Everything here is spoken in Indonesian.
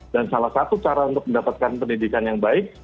dan salah satu cara untuk mendapatkan pendidikan yang baik